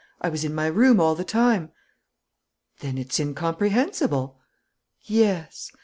I was in my room all the time." "Then it's incomprehensible." "Yes